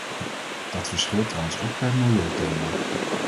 Dat verschilt trouwens ook per milieuthema.